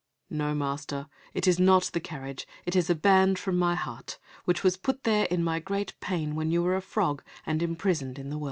"No, master, it is not the carriage. It is a band from my heart, which was put there in my great pain when you were a frog and imprisoned in the well."